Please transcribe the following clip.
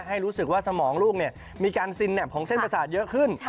ให้รู้สึกว่าสมองลูกมีการซินแปบของเส้นประสาทเยอะขึ้น